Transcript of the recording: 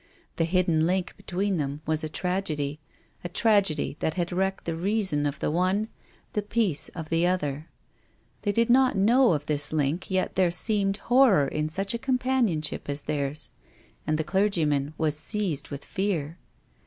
The hidden link between THE GRAVE. 83 them was a tragedy, a tragedy that had wrecked the reason of the one, the peace of the other. They did not know of this Hnk, yet there seemed horror in such a companionship as theirs, and the clergy man was seized with fear.